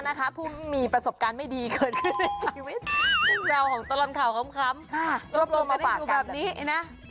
หรือการไม่มีประสบการณ์ไม่ดีเกินขึ้นในชีวิต